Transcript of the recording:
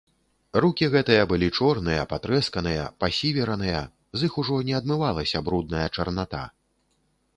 Рукі гэтыя былі чорныя, патрэсканыя, пасівераныя, з іх ужо не адмывалася брудная чарната.